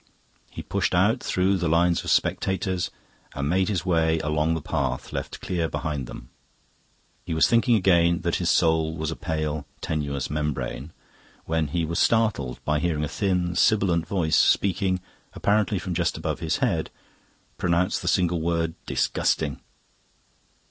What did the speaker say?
He pushed out through the lines of spectators and made his way along the path left clear behind them. He was thinking again that his soul was a pale, tenuous membrane, when he was startled by hearing a thin, sibilant voice, speaking apparently from just above his head, pronounce the single word "Disgusting!"